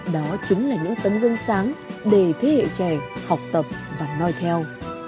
đó chính là những tấm gương sáng để thế hệ trẻ học tập và nói theo